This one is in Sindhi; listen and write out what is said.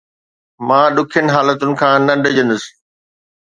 مان ڏکين حالتن کان نه ڊڄندس